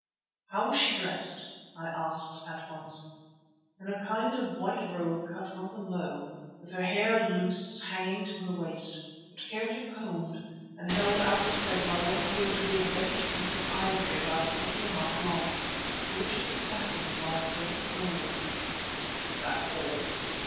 "How was she dressed?" I asked at once. "In a kind of white robe cut rather low, with her hair loose hanging to her waist, but carefully combed and held outspread by what appeared to be a bent piece of ivory about a foot and a half long, to which it was fastened by a thread of gold." "Is that all?"